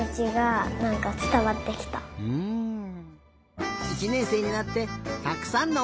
１ねんせいになってたくさんのおもいでができたね。